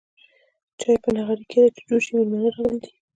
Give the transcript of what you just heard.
چاي په نغرې کيده چې جوش شي ميلمانه راغلي دي.